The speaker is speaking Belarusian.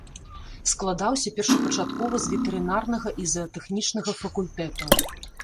Складаўся першапачаткова з ветэрынарнага і заатэхнічнага факультэтаў.